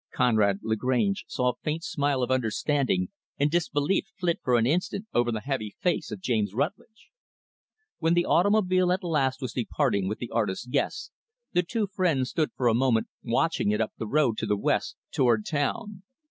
Conrad Lagrange saw a faint smile of understanding and disbelief flit for an instant over the heavy face of James Rutlidge. When the automobile, at last, was departing with the artist's guests; the two friends stood for a moment watching it up the road to the west, toward town.